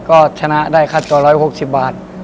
ก็ชนะได้ค่าตัว๑๖๐บาท